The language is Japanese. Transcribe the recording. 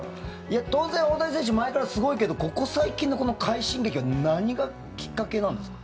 当然、大谷選手前からすごいけどここ最近の、この快進撃は何がきっかけなんですか？